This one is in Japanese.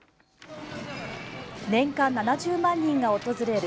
年間７０万人が訪れる